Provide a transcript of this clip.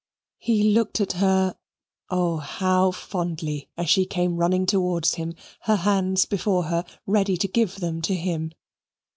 He looked at her oh, how fondly as she came running towards him, her hands before her, ready to give them to him.